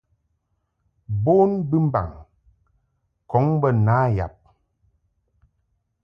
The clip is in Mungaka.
Bon bɨmbaŋ ŋkɔŋ bə na yab.